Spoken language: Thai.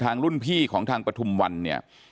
รุ่นพี่ของทางปฐุมวันเนี่ย